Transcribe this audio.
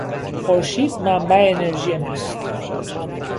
خورشید منبع انرژی ما است.